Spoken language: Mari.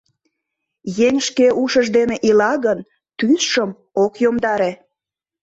Еҥ шке ушыж дене ила гын, тӱсшым ок йомдаре...